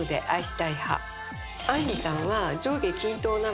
あんりさんは。